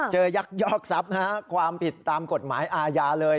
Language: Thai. ยักยอกทรัพย์ความผิดตามกฎหมายอาญาเลย